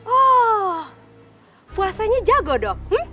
oh puasanya jago dong